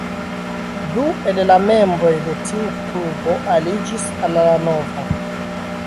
Du el la membroj de tiu klubo aliĝis al la nova.